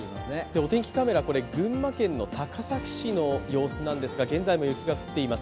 お天気カメラ、これ群馬県高崎市の様子なんですが現在も雪が降っています。